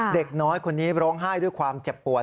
เด็กน้อยคนนี้ร้องไห้ด้วยความเจ็บปวด